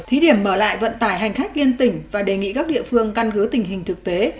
thí điểm mở lại vận tải hành khách liên tỉnh và đề nghị các địa phương căn cứ tình hình thực tế